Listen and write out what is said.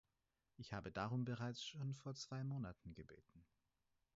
Ich habe darum bereits schon vor zwei Monaten gebeten.